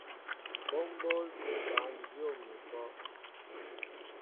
Bɔ́ m̀bǒl pé bǎn dyǒm ni pɔ́.